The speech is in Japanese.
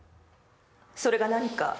それが何か？